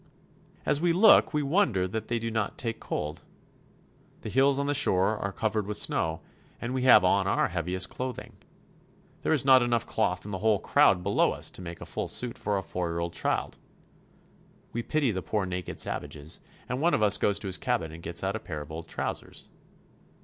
As we look we wonder that they do not take cold. The hills on the shore are covered with snow, and we have on our heaviest clothing. There is not enough cloth in the whole crowd below us to make a full suit for a four year old child. We pity the poor naked savages, and one of us goes to his cabin and gets out a pair of old trousers.